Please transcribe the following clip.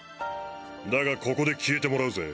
だがここで消えてもらうぜ。